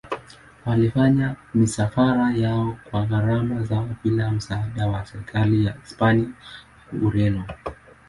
Walifanya misafara yao kwa gharama zao bila msaada wa serikali ya Hispania au Ureno.